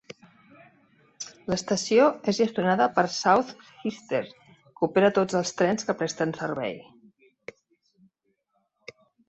L'estació és gestionada per Southeastern, que opera tots els trens que presten servei.